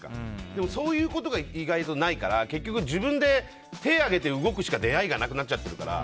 でもそういうことがないから結局、自分で手を挙げて動くしか出会いがなくなっちゃってるから。